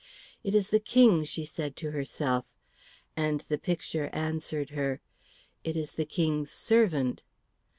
"It is the King," she said to herself; and the picture answered her, "It is the King's servant."